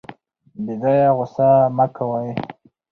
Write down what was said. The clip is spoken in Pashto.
بې ځایه غوسه مه کوئ.